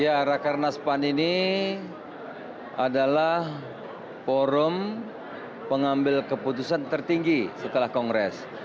ya rakernas pan ini adalah forum pengambil keputusan tertinggi setelah kongres